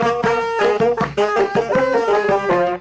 ยังไงล่ะ